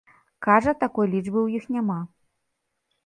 Кажа, такой лічбы ў іх няма.